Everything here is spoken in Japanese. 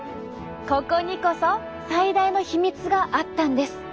ここにこそ最大の秘密があったんです！